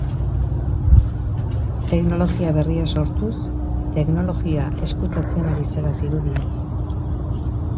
Teknologia berria sortuz, teknologia ezkutatzen ari zela zirudien.